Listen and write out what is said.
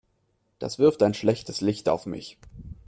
Das wirft ein schlechtes Licht auf mich.